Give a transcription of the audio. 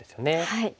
はい。